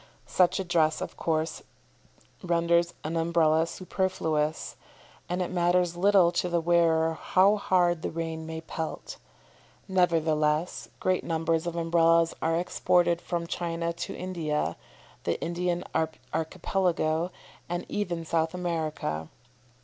Such a dress, of course, renders an Umbrella superfluous, and it matters little to the wearer how hard the rain may pelt. Nevertheless great numbers of Umbrellas are exported from China to India, the Indian Archipelago, and even South America.